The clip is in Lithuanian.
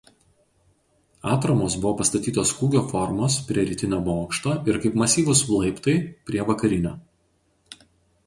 Atramos buvo pastatytos kūgio formos prie rytinio bokšto ir kaip masyvūs laiptai prie vakarinio.